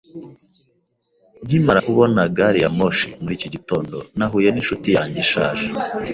Nkimara kubona gari ya moshi muri iki gitondo, nahuye ninshuti yanjye ishaje.